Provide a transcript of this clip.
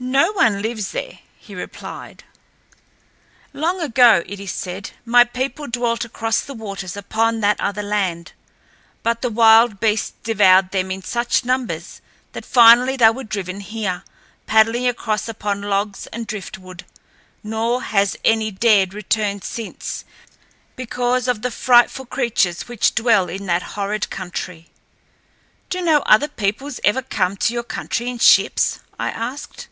"No one lives there," he replied. "Long ago, it is said, my people dwelt across the waters upon that other land; but the wild beasts devoured them in such numbers that finally they were driven here, paddling across upon logs and driftwood, nor has any dared return since, because of the frightful creatures which dwell in that horrid country." "Do no other peoples ever come to your country in ships?" I asked.